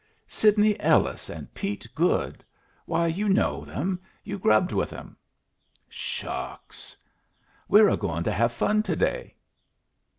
"Sidney Ellis and Pete Goode. Why, you know them; you grubbed with them." "Shucks!" "We're a going to have fun to day."